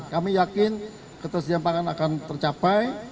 kami yakin ketersediaan pangan akan tercapai